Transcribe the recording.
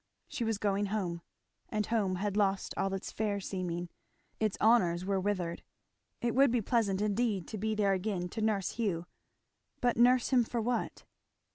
She was going home and home had lost all its fair seeming; its honours were withered. It would be pleasant indeed to be there again to nurse Hugh; but nurse him for what?